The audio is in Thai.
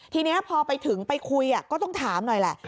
ทีนี้พอไปถึงไปคุยก็ต้องถามหน่อยแหละ